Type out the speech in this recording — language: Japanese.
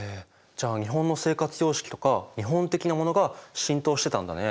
じゃあ日本の生活様式とか日本的なものが浸透してたんだね。